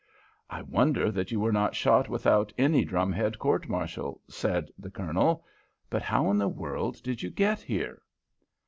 "I wonder that you were not shot without any drumhead court martial," said the Colonel. "But how in the world did you get here?"